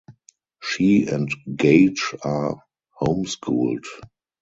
She and Gage are homeschooled.